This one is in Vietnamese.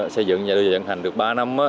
xây dựng và đưa dẫn hành được ba năm